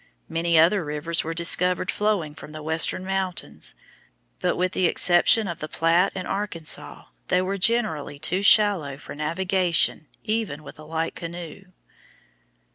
Many other rivers were discovered flowing from the western mountains, but with the exception of the Platte and Arkansas they were generally too shallow for navigation even with a light canoe.